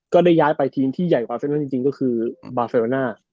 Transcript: ก็ได้ย้ายไปทีมที่ใหญ่กว่าเส้นนั้นจริงก็คือบาเฟวาน่า